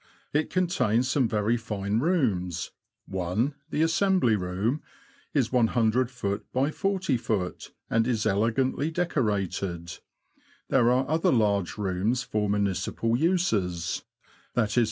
It contains some very fine rooms; one — the Assembly Room — is looft. by 40ft., and is elegantly decorated. There are other large rooms for municipal uses — viz.